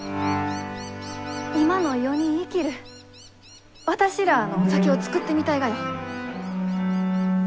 今の世に生きる私らあの酒を造ってみたいがよ。